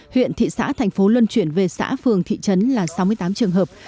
huyện thị xã thành phố luân chuyển về xã phường thị trấn là sáu mươi tám trường hợp